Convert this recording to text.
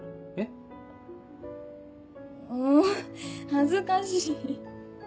恥ずかしい。